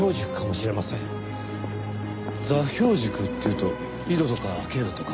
座標軸っていうと緯度とか経度とか？